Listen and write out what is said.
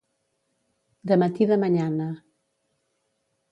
De matí de manyana.